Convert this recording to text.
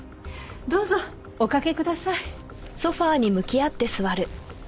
どうぞお掛けください。